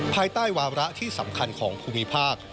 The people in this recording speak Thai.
ภายใต้วาระที่สำคัญของภูมิภาค